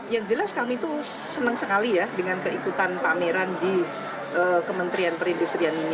yang jelas kami tuh senang sekali ya dengan keikutan pameran di kementerian perindustrian ini